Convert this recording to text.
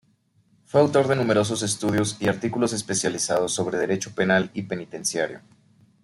Fue autor de numerosos estudios y artículos especializados sobre derecho penal y penitenciario.